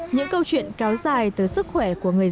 những câu chuyện cáo dài tới sức khỏe